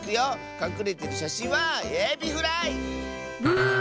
かくれてるしゃしんはエビフライ！ブー。